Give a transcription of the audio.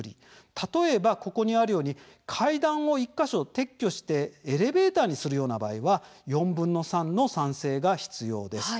例えば、ここにあるように階段を１か所、撤去してしてそこをエレベータにしようというような場合は４分の３の賛成が必要です。